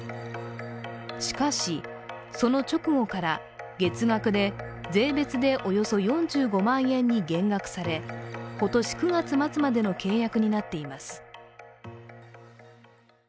しかし、その直後から月額で税別でおよそ４５万円に減額され今年９月末までの契約になっています。